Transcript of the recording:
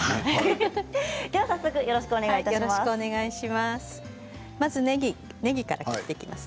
早速よろしくお願いします。